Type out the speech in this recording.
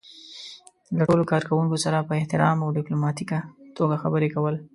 له ټولو کار کوونکو سره په احترام او ډيپلوماتيکه توګه خبرې کول.